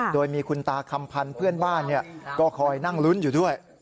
โดยมีคุณตาคำพันธ์เพื่อนบ้านก็คอยนั่งลุ้นอยู่ด้วย